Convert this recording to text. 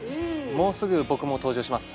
もうすぐ僕も登場します。